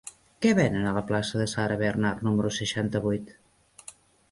Què venen a la plaça de Sarah Bernhardt número seixanta-vuit?